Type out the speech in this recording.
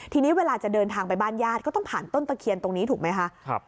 ทีนี้เวลาจะเดินทางไปบ้านญาติก็ต้องผ่านต้นตะเคียนตรงนี้ถูกไหมคะ